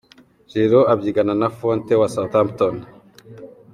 Giroud abyigana na Fonte wa Southampton.